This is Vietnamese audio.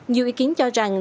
nhiều ý kiến cho rằng